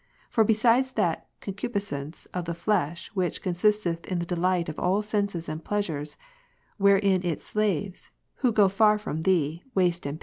For besides that concupiscence of the flesh which consisteth in the delight of all senses and pleasures, wherein its slaves, who ^o/ar//*o//i Thee, waste and Ps.